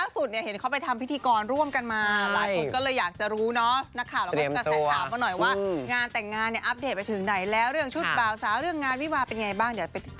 พูดจุ๋ยเอ่อเขาแต่งแน่